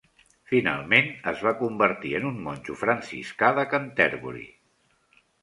Finalment es va convertir en un monjo franciscà de Canterbury.